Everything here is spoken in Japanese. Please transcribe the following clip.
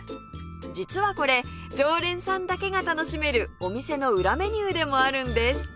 実はこれ常連さんだけが楽しめるお店の裏メニューでもあるんです